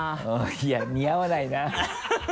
いや似合わないな。